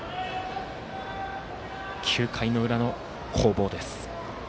９回の裏の攻防です。